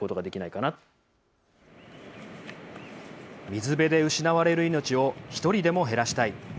水辺で失われる命を一人でも減らしたい。